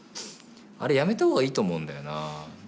あれやめた方がいいと思うんだよな。